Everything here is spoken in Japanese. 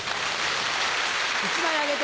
１枚あげて。